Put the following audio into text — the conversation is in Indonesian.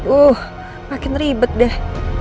uh makin ribet deh